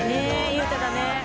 いい歌だね。